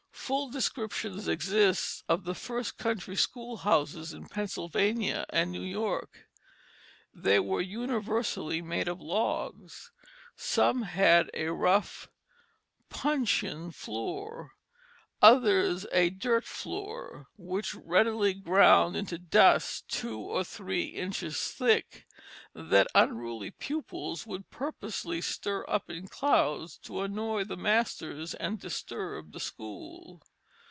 Full descriptions exist of the first country schoolhouses in Pennsylvania and New York. They were universally made of logs. Some had a rough puncheon floor, others a dirt floor which readily ground into dust two or three inches thick, that unruly pupils would purposely stir up in clouds to annoy the masters and disturb the school.